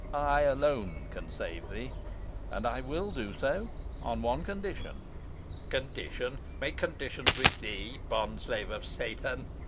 I alone can save thee, and I will do so on one condition." "Condition! make conditions with thee, bond slave of Satan!"